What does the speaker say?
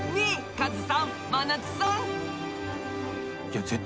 カズさん真夏さん。